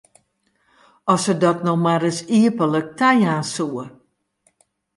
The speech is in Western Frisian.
As se dat no mar ris iepentlik tajaan soe!